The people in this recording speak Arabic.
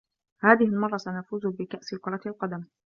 هذه المرّة سنفوز بكأس كرة القدم.